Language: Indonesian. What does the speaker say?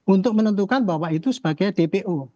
untuk menentukan bahwa itu sebagai dpo